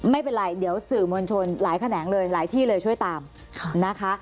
ไม่เป็นไรเดี๋ยวเสื่อมวลชนหลายคะแหน่งเลยเขาช่วยตามนะคะ